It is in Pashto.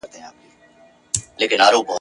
د حیرت ګوته په غاښ ورته حیران وه ..